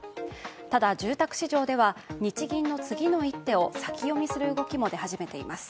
ただ、住宅市場では日銀の次の一手を先読みする動きも出始めています。